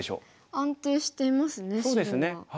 安定していますね白は。